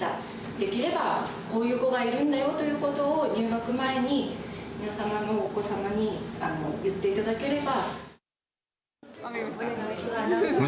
できれば、こういう子がいるんだよということを、入学前に、皆様のお子様に言っていただければ。